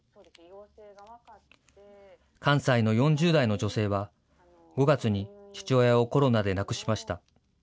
関西の４０代の女性は、５月に父親をコロナで亡くしました。